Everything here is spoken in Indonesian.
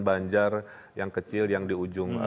banjar yang kecil yang di ujung